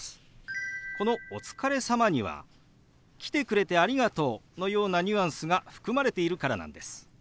この「お疲れ様」には「来てくれてありがとう」のようなニュアンスが含まれているからなんです。